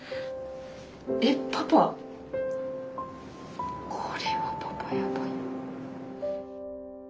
えっパパこれはパパやばい。